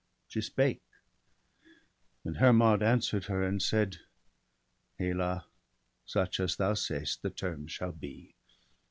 She spake ; and Hermod answer'd her, and said :—* Hela, such as thou say'st, the terms shall be.